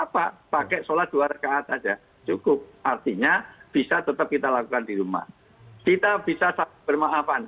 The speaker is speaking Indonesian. pakai sholat dua rekaat saja cukup artinya bisa tetap kita lakukan di rumah kita bisa bermaafan